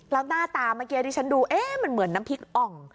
แล้วหน้าตาเมื่อกี้ที่ฉันดูเอ๊ะมันเหมือนน้ำพริกอ่อง